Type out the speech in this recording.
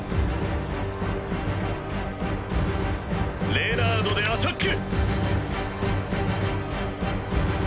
レナードでアタック！